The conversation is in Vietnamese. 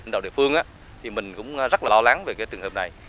đạo địa phương thì mình cũng rất là lo lắng về trường hợp này